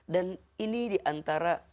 dan ini diantara